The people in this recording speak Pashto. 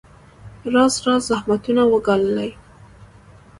راز راز زحمتونه وګاللې.